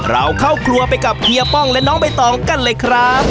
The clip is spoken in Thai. เราเข้าครัวไปกับเฮียป้องและน้องใบตองกันเลยครับ